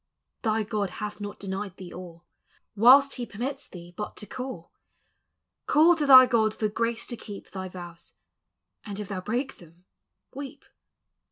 Thy (Jod hath not denied thee all, Whilst he permits thee hut to call. Call to thy (Jod for grace to keep Thy vows; and it' thou break them, weep.